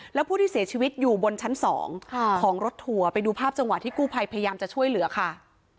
แล้วผู้ที่เสียชีวิตอยู่บนชั้น๒ของรถทัวร์ไปดูภาพจังหวะที่กู้ภัยพยายามจะช่วยเหลือค่ะ